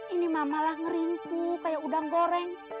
ini mamalah ngeringku kayak udang goreng